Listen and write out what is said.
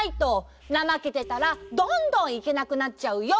なまけてたらどんどんいけなくなっちゃうよ。